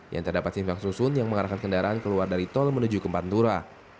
yang terdapat simpang susun yang mengarahkan kendaraan keluar dari tol menuju ke pantura